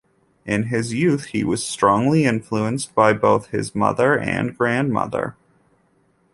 In his youth, he was strongly influenced by both his mother and grandmother.